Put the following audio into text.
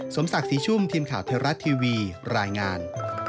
สมศักดิ์ศรีชุ่มทีมข่าวไทยรัฐทีวีรายงาน